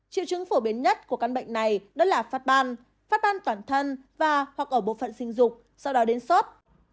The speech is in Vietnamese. triệu chứng phổ biến nhất của căn bệnh này đó là phát ban phát ban toàn thân và hoặc ở bộ phận sinh dục sau đó đến sốt